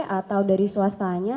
atau dari swastanya